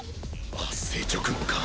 発生直後か。